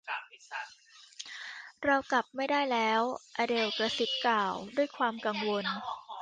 เรากลับไม่ได้แล้ว อเดลกระซิบกล่าวด้วยความกังวล